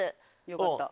よかった。